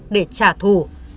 để trả thù